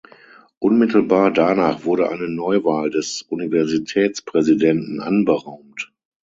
Unmittelbar danach wurde eine Neuwahl des Universitätspräsidenten anberaumt.